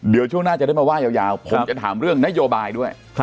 เดี๋ยวช่วงหน้าจะได้มาไห้ยาวผมจะถามเรื่องนโยบายด้วย